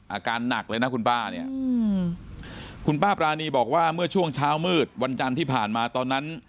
อาการหนักเลยนะคุณป้าเนี่ยคุณป้าปรานีบอกว่าเมื่อช่วงเช้ามืดวันจันทร์ที่ผ่านมาตอนนั้น